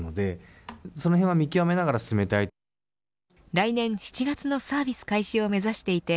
来年７月のサービス開始を目指していて